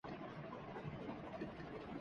اس کا ٹریننگ کا پرانا طریقہ بدلنا پڑے گا